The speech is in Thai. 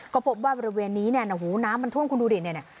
ก็พบว่าบริเวณนี้เนี่ยนะหูน้ำมันท่วมคุณดูดิเนี่ย